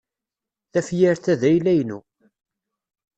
Tafyirt-a d ayla-inu.